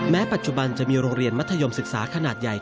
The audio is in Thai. ปัจจุบันจะมีโรงเรียนมัธยมศึกษาขนาดใหญ่